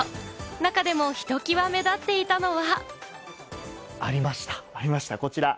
中でもひときわ目立っていたのは。